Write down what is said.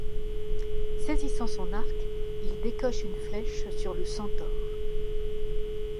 Saisissant son arc, il décoche une flèche sur le centaure.